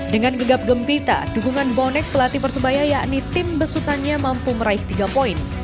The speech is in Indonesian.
dengan gegap gempita dukungan bonek pelatih persebaya yakni tim besutannya mampu meraih tiga poin